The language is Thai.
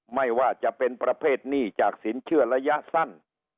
ไม่ว่าจะเป็นประเภทหนี้จากสินเชื่อระยะสั้น